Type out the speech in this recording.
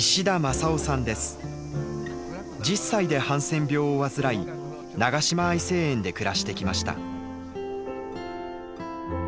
１０歳でハンセン病を患い長島愛生園で暮らしてきました。